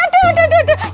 aduh aduh aduh